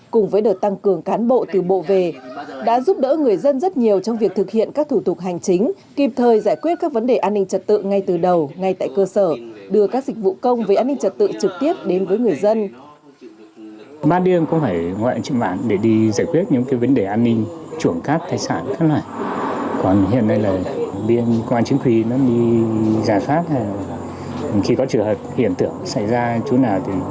cùng với đợt tăng cường cán bộ từ bộ về đã giúp đỡ người dân rất nhiều trong việc thực hiện các thủ tục hành chính kịp thời giải quyết các vấn đề an ninh trật tự ngay từ đầu ngay tại cơ sở đưa các dịch vụ công về an ninh trật tự trực tiếp đến với người dân